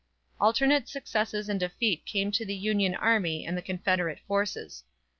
Alternate success and defeat came to the Union army and the Confederate forces.